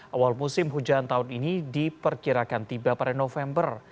awal musim hujan tahun ini diperkirakan tiba pada november